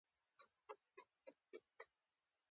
دوکاندار له چاپیریال سره مینه لري.